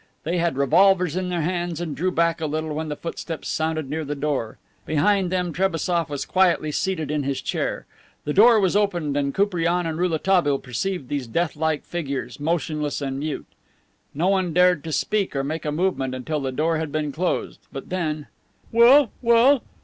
They had revolvers in their hands and drew back a little when the footsteps sounded near the door. Behind them Trebassof was quietly seated in his chair. The door was opened and Koupriane and Rouletabille perceived these death like figures, motionless and mute. No one dared to speak or make a movement until the door had been closed. But then: "Well? Well?